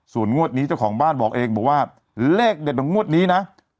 ส่วนงวดนี้เจ้าของบ้านบอกเองบอกว่าเลขเด็ดของงวดนี้นะ